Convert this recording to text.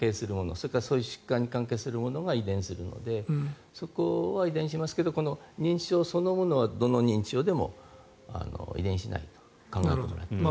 それからそういう疾患に関係するものが遺伝するのでそこは遺伝しますけどこの認知症そのものはどの認知症でも遺伝はしないと思います。